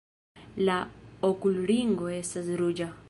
La okulringo estas ruĝa.